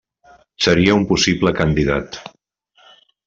Seria un possible candidat.